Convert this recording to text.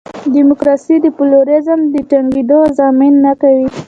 ډیموکراسي د پلورالېزم د ټینګېدو ضامن نه کوي.